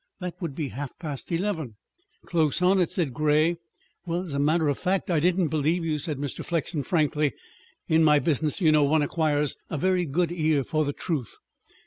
That would be half past eleven!" "Close on it," said Grey. "Well as a matter of fact, I didn't believe you," said Mr. Flexen frankly. "In my business, you know, one acquires a very good ear for the truth."